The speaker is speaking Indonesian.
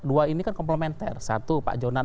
dua ini kan komplementer satu pak jonan